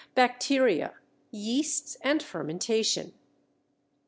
BACTERIA, YEASTS, AND FERMENTATION.